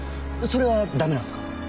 それはダメなんですか？